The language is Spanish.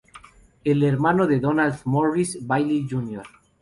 El hermano de Donald, Morris Bailey, Jr.